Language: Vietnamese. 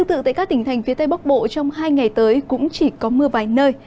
tương tự tại các tỉnh thành phía tây bắc bộ trong hai ngày tới cũng chỉ có mưa vài nơi